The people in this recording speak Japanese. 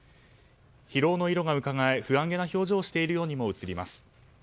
疲労の色がうかがえ、不安げな表情をしているようにも見えます。